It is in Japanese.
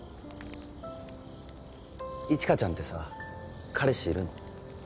一華ちゃんってさ彼氏いるの？